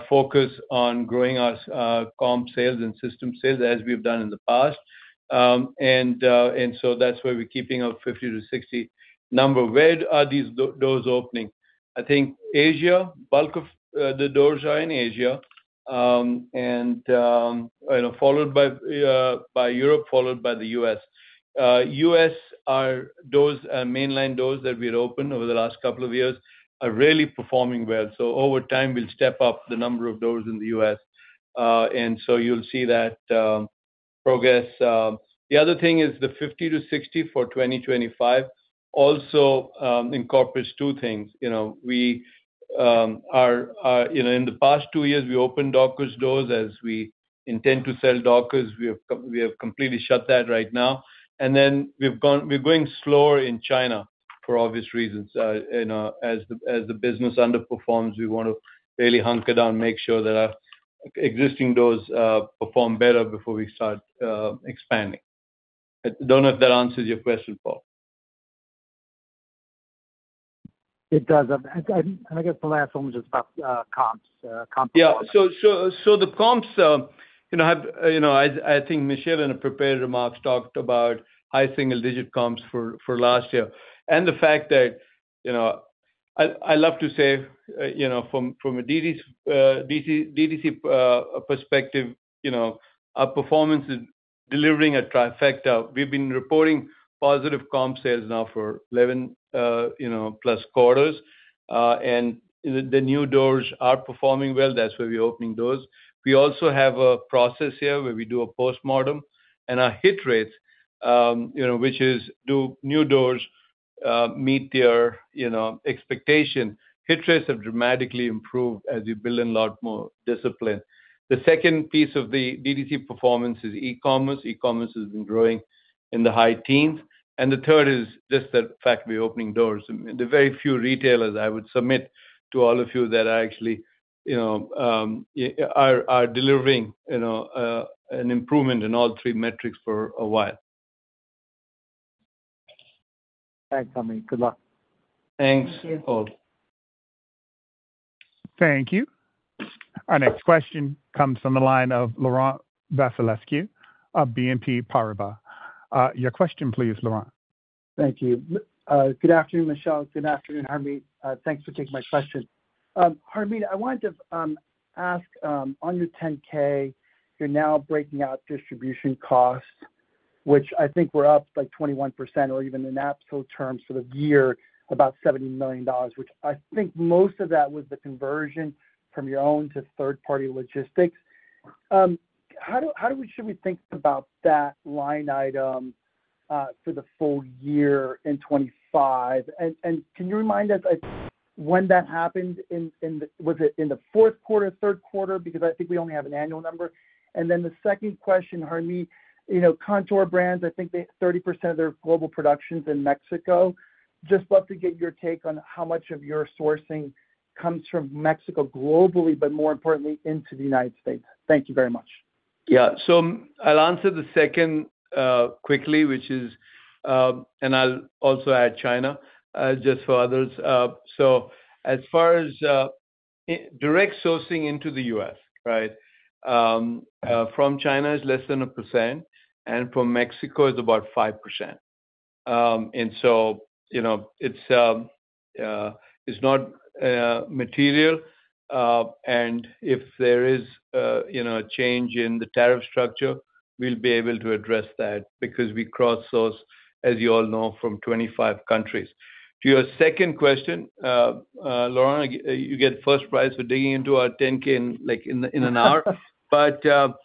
focus on growing our comp sales and system sales as we've done in the past, and so that's why we're keeping a 50 to 60 number. Where are these doors opening? I think Asia, bulk of the doors are in Asia, and followed by Europe, followed by the U.S. U.S. doors and mainline doors that we had opened over the last couple of years are really performing well, so over time, we'll step up the number of doors in the U.S., and so you'll see that progress. The other thing is the 50 to 60 for 2025 also incorporates two things. In the past two years, we opened Dockers' doors as we intend to sell Dockers. We have completely shut that right now. And then we're going slower in China for obvious reasons. As the business underperforms, we want to really hunker down, make sure that our existing doors perform better before we start expanding. I don't know if that answers your question, Paul. It does. And I guess the last one was just about comps. Yeah. So the comps, I think Michelle in the prepared remarks talked about high single-digit comps for last year. And the fact that I love to say from a DTC perspective, our performance is delivering a trifecta. We've been reporting positive comp sales now for 11+ quarters. And the new doors are performing well. That's why we're opening doors. We also have a process here where we do a postmortem. And our hit rates, which is do new doors meet their expectation, hit rates have dramatically improved as we build in a lot more discipline. The second piece of the DTC performance is e-commerce. E-commerce has been growing in the high teens, and the third is just the fact we're opening doors. There are very few retailers I would submit to all of you that actually are delivering an improvement in all three metrics for a while. Thanks, Harmit. Good luck. Thanks, Paul. Thank you. Our next question comes from the line of Laurent Vasilescu of BNP Paribas. Your question, please, Laurent. Thank you. Good afternoon, Michelle. Good afternoon, Harmit. Thanks for taking my question. Harmit, I wanted to ask, on your 10-K, you're now breaking out distribution costs, which I think we're up like 21% or even in absolute terms for the year, about $70 million, which I think most of that was the conversion from your own to third-party logistics. How should we think about that line item for the full year in 2025? Can you remind us when that happened? Was it in the fourth quarter, third quarter? Because I think we only have an annual number. And then the second question, Harmit, Kontoor Brands, I think 30% of their global production's in Mexico. Just love to get your take on how much of your sourcing comes from Mexico globally, but more importantly, into the United States. Thank you very much. Yeah. I'll answer the second quickly, which is, and I'll also add China just for others. As far as direct sourcing into the U.S., right, from China is less than 1%, and from Mexico is about 5%. And so it's not material. And if there is a change in the tariff structure, we'll be able to address that because we cross-source, as you all know, from 25 countries. To your second question, Laurent, you get first prize for digging into our 10-K in an hour. But to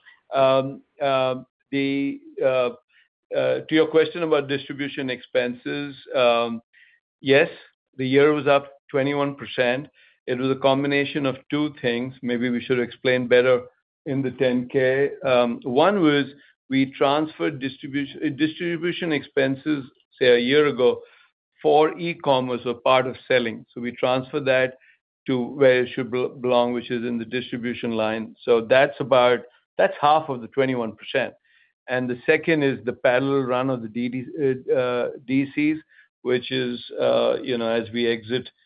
your question about distribution expenses, yes, the year was up 21%. It was a combination of two things. Maybe we should explain better in the 10-K. One was we transferred distribution expenses, say, a year ago for e-commerce or part of selling. So we transferred that to where it should belong, which is in the distribution line. So that's half of the 21%. And the second is the parallel run of the DCs, which is as we exit our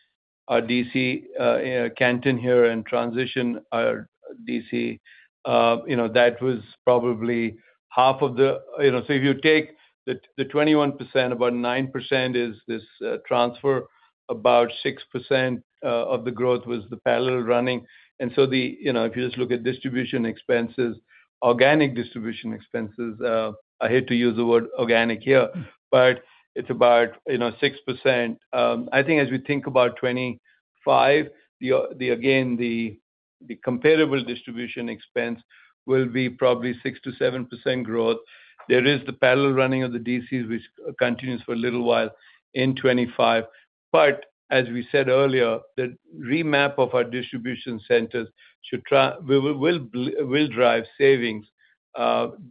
DC Canton here and transition our DC. That was probably half of the so if you take the 21%, about 9% is this transfer, about 6% of the growth was the parallel running. And so if you just look at distribution expenses, organic distribution expenses, I hate to use the word organic here, but it's about 6%. I think as we think about 2025, again, the comparable distribution expense will be probably 6% to 7% growth. There is the parallel running of the DCs, which continues for a little while in 2025. But as we said earlier, the remap of our distribution centers will drive savings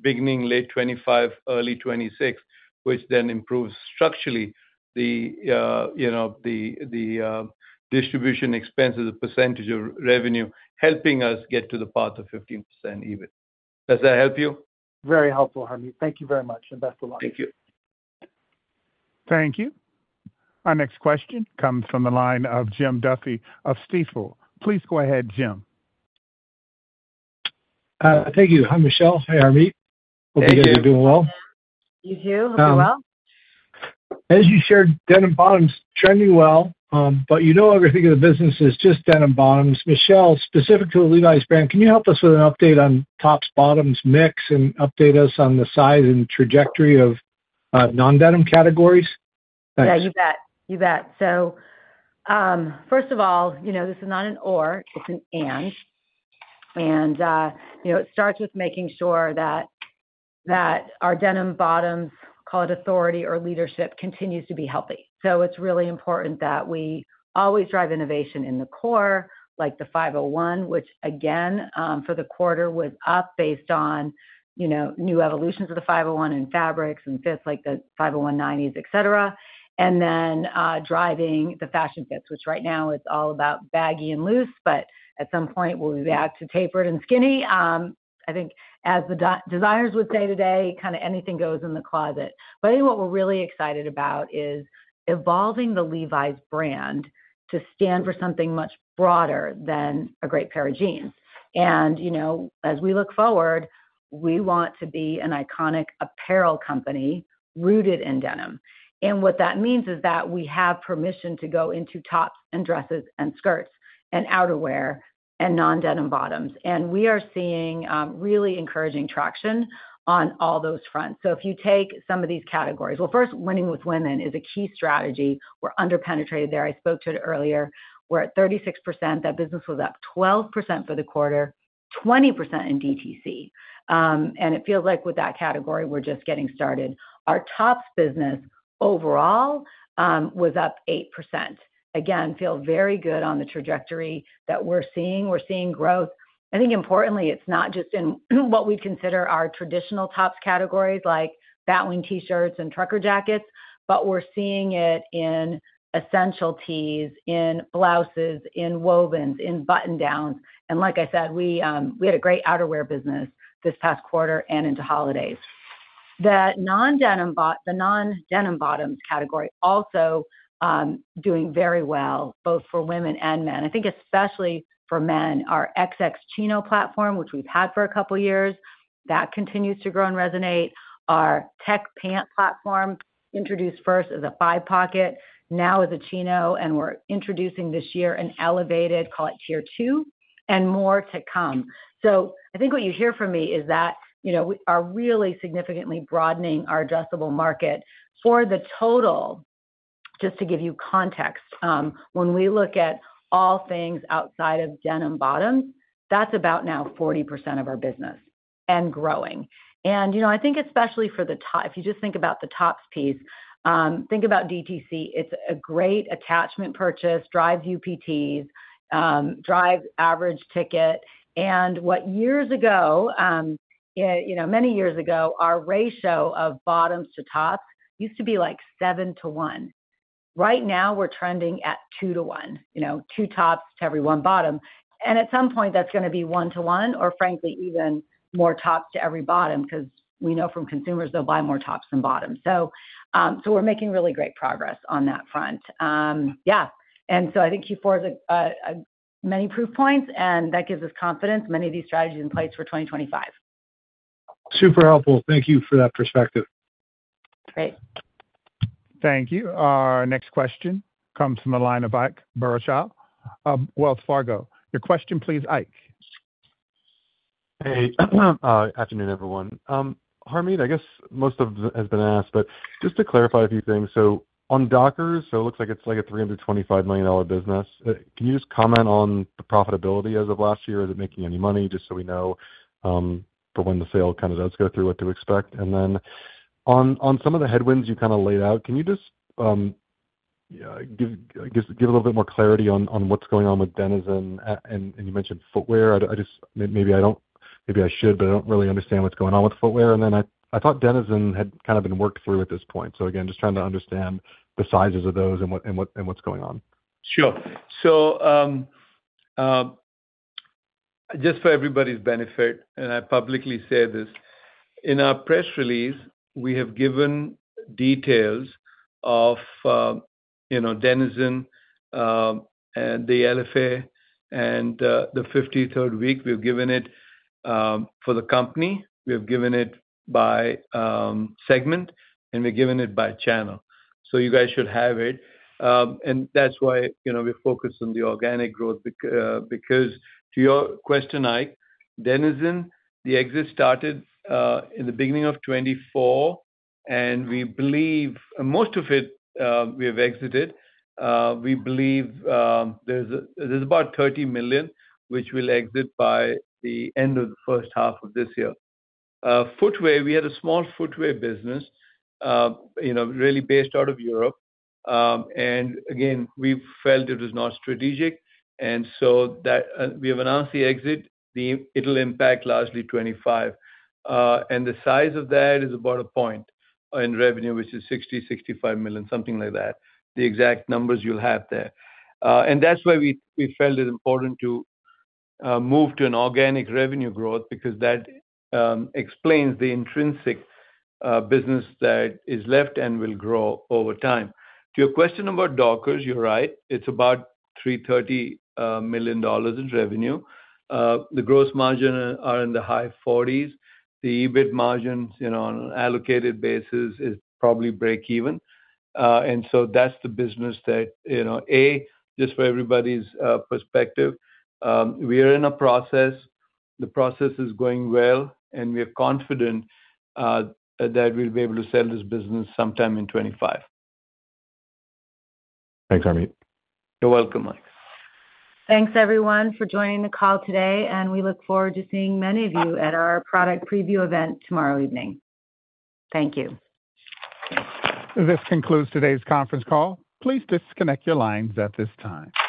beginning late 2025, early 2026, which then improves structurally the distribution expenses, the percentage of revenue, helping us get to the path of 15% even. Does that help you? Very helpful, Harmit. Thank you very much, and best of luck. Thank you. Thank you. Our next question comes from the line of Jim Duffy of Stifel. Please go ahead, Jim. Thank you. Hi, Michelle. Hi, Harmit. Hi, James. Hope you guys are doing well. You too. Hope you're well. As you shared, denim bottoms trending well, but everything in the business is just denim bottoms. Michelle, specific to Levi's brand, can you help us with an update on tops, bottoms, mix, and update us on the size and trajectory of non-denim categories? Thanks. Yeah, you bet. You bet. So first of all, this is not an or, it's an and. And it starts with making sure that our denim bottoms, call it authority or leadership, continues to be healthy. So it's really important that we always drive innovation in the core, like the 501, which again, for the quarter, was up based on new evolutions of the 501 and fabrics and fits like the 501 '90s, etc. And then driving the fashion fits, which right now it's all about baggy and loose, but at some point, we'll be back to tapered and skinny. I think as the designers would say today, kind of anything goes in the closet, but I think what we're really excited about is evolving the Levi's brand to stand for something much broader than a great pair of jeans, and as we look forward, we want to be an iconic apparel company rooted in denim, and what that means is that we have permission to go into tops and dresses and skirts and outerwear and non-denim bottoms, and we are seeing really encouraging traction on all those fronts, so if you take some of these categories, well, first, winning with women is a key strategy. We're underpenetrated there. I spoke to it earlier. We're at 36%. That business was up 12% for the quarter, 20% in DTC, and it feels like with that category, we're just getting started. Our tops business overall was up 8%. Again, feel very good on the trajectory that we're seeing. We're seeing growth. I think importantly, it's not just in what we consider our traditional tops categories like basic t-shirts and trucker jackets, but we're seeing it in essential tees, in blouses, in wovens, in button-downs. And like I said, we had a great outerwear business this past quarter and into holidays. The non-denim bottoms category also doing very well, both for women and men. I think especially for men, our XX Chino platform, which we've had for a couple of years, that continues to grow and resonate. Our Tech Pant platform introduced first as a five-pocket, now as a Chino, and we're introducing this year an elevated, call it tier two, and more to come. So I think what you hear from me is that we are really significantly broadening our addressable market for the total. Just to give you context, when we look at all things outside of denim bottoms, that's about now 40% of our business and growing. And I think especially for the top, if you just think about the tops piece, think about DTC. It's a great attachment purchase, drives UPTs, drives average ticket. And what years ago, many years ago, our ratio of bottoms to tops used to be like 7 to 1. Right now, we're trending at 2 to 1, two tops to every one bottom. And at some point, that's going to be 1 to 1 or, frankly, even more tops to every bottom because we know from consumers they'll buy more tops than bottoms. So we're making really great progress on that front. Yeah. And so I think Q4 has many proof points, and that gives us confidence, many of these strategies in place for 2025. Super helpful. Thank you for that perspective. Great. Thank you. Our next question comes from the line of Ike Boruchow, Wells Fargo. Your question, please, Ike. Hey. Afternoon, everyone. Harmit, I guess most of it has been asked, but just to clarify a few things. So on Dockers, so it looks like it's like a $325 million business. Can you just comment on the profitability as of last year? Is it making any money? Just so we know for when the sale kind of does go through, what to expect. And then on some of the headwinds you kind of laid out, can you just give a little bit more clarity on what's going on with Denizen? And you mentioned footwear. Maybe I should, but I don't really understand what's going on with footwear. And then I thought Denizen had kind of been worked through at this point. So again, just trying to understand the sizes of those and what's going on. Sure. So just for everybody's benefit, and I publicly say this, in our press release, we have given details of Denizen and the LFA. And the 53rd week, we've given it for the company. We have given it by segment, and we've given it by channel. So you guys should have it. And that's why we focus on the organic growth because to your question, Ike, Denizen, the exit started in the beginning of 2024, and we believe most of it we have exited. We believe there's about $30 million, which will exit by the end of the first half of this year. Footwear, we had a small footwear business really based out of Europe. And again, we felt it was not strategic. And so we have announced the exit. It'll impact largely 2025. And the size of that is about a point in revenue, which is $60 million-$65 million, something like that. The exact numbers you'll have there. And that's why we felt it important to move to an organic revenue growth because that explains the intrinsic business that is left and will grow over time. To your question about Dockers, you're right. It's about $330 million in revenue. The gross margin are in the high 40s%. The EBIT margins on an allocated basis is probably breakeven. And so that's the business that, A, just for everybody's perspective, we are in a process. The process is going well, and we are confident that we'll be able to sell this business sometime in 2025. Thanks, Harmit. You're welcome, Ike. Thanks, everyone, for joining the call today, and we look forward to seeing many of you at our product preview event tomorrow evening. Thank you. This concludes today's conference call. Please disconnect your lines at this time.